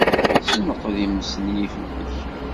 Senqed ismenyifen-ik.